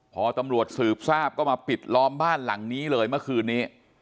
พอตำรวจสืบทราบก็มาปิดล้อมบ้านหลังนี้เลยเมื่อคืนนี้